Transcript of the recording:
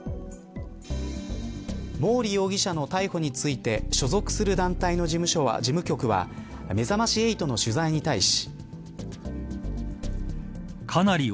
毛利容疑者の逮捕について所属する団体の事務局はめざまし８の取材に対し。